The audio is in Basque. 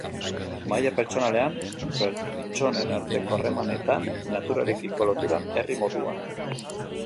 Maila pertsonalean, pertsonen arteko harremanetan, naturarekiko loturan, herri moduan...